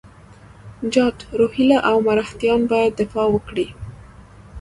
جاټ، روهیله او مرهټیان باید دفاع وکړي.